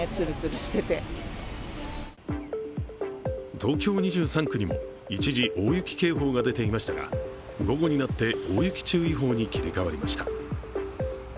東京２３区にも一時大雪警報が出ていましたが午後になって大雪注意報に切り替わりました。